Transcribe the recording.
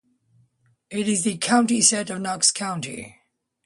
It is the county seat of Knox County.